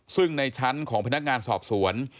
ซึ่งในชั้นของพนักงานสอบสวน